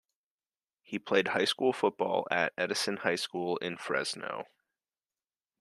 He played high school football at Edison High School in Fresno.